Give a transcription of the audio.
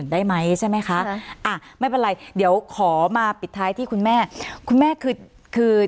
ได้ไหมใช่ไหมคะอ่ะไม่เป็นไรเดี๋ยวขอมาปิดท้ายที่คุณแม่คุณแม่คือคือ